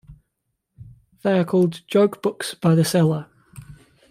They are called "joke books" by the seller.